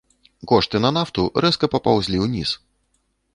Кошты на нафту рэзка папаўзлі ўніз.